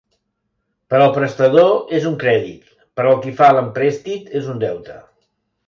Per al prestador és un crèdit, per al qui fa l'emprèstit és un deute.